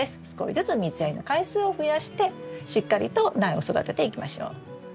少しずつ水やりの回数を増やしてしっかりと苗を育てていきましょう。